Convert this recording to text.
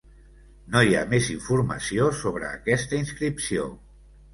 No hi ha més informació sobre aquesta inscripció.